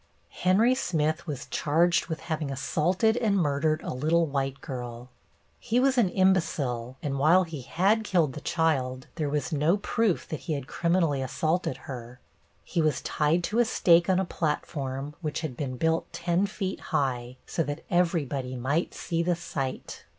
Henry Smith was charged with having assaulted and murdered a little white girl. He was an imbecile, and while he had killed the child, there was no proof that he had criminally assaulted her. He was tied to a stake on a platform which had been built ten feet high, so that everybody might see the sight.